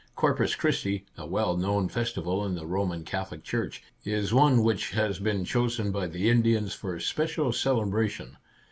Corpus Christi, a well known festival in the Roman Catholic Church, is one which has been chosen by the Indians for special celebra tion.